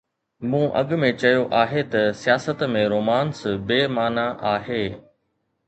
مون اڳ ۾ چيو آهي ته سياست ۾ رومانس بي معنيٰ آهي.